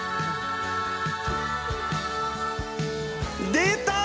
出た！